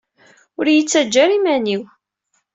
Ur iyi-ttaǧǧa ara iman-iw